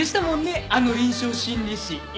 あの臨床心理士。